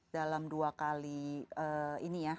dalam dua kali ini ya